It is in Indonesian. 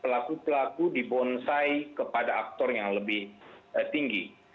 pelaku pelaku dibonsai kepada aktor yang lebih tinggi